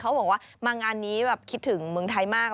เขาบอกว่ามางานนี้แบบคิดถึงเมืองไทยมาก